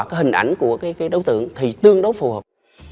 cái hình ảnh của cái đối tượng thì tương đối phù hợp